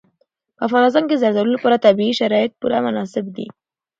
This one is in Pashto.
په افغانستان کې د زردالو لپاره طبیعي شرایط پوره مناسب دي.